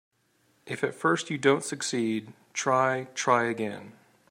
If at first you don't succeed, try, try again.